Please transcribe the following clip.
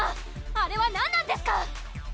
あれは何なんですか